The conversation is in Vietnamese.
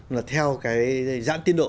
là theo cái giãn tiến độ